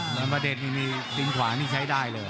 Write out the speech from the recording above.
วันพระเด็จนี่มีตีบขวานี่ใช้ได้เลย